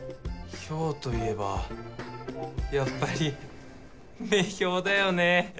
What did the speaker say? ヒョウといえばやっぱり女豹だよね。